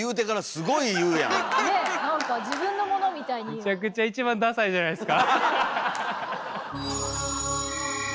めちゃくちゃ一番ダサいじゃないですか。